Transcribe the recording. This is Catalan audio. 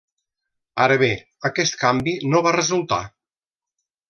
Ara bé, aquest canvi no va resultar.